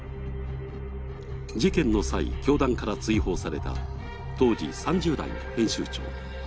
事件の際、教団から追放された当時３０代の編集長。